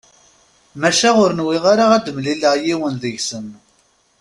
Maca ur nwiɣ ara ad d-mlileɣ yiwen deg-sen.